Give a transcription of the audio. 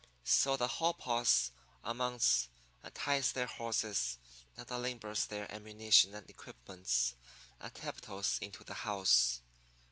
"So the whole posse unmounts and ties their horses, and unlimbers their ammunition and equipments, and tiptoes into the house.